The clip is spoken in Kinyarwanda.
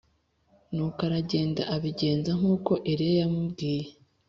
Nuko aragenda abigenza nk’uko Eliya yamubwiye